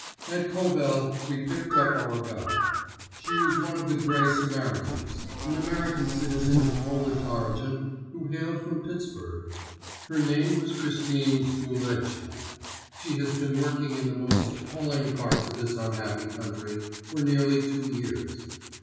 At Kovel we picked up our guide. She was one of the Gray Samaritans—an American citizen of Polish origin who hailed from Pittsburgh. Her name was Christine Zduleczna; she has been working in the most appalling parts of this unhappy country for nearly two years.